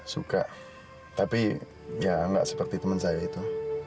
suka tapi ya nggak seperti teman saya itu